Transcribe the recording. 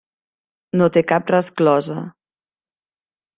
No té cap resclosa.